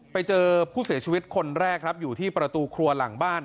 ไปเจอผู้เสียชีวิตคนแรกครับอยู่ที่ประตูครัวหลังบ้าน